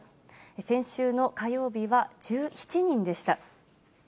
先週の火曜日は１７人でした。